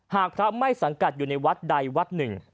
หากพระไม่สังกัดอยู่ในวัดใดวัดหนึ่ง